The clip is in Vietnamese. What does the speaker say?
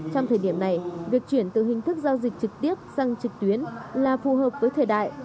trong thời điểm này việc chuyển từ hình thức giao dịch trực tiếp sang trực tuyến là phù hợp với thời đại